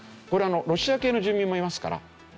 ロシア系の住民もいますから。